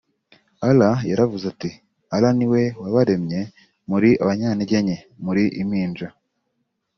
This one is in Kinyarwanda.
Allah yaravuze ati "Allah ni we wabaremye muri abanyantegenke (muri impinja)